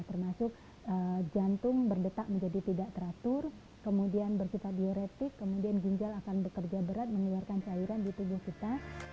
termasuk jantung berdetak menjadi tidak teratur kemudian berkita diuretik kemudian ginjal akan bekerja berat mengeluarkan cairan di tubuh kita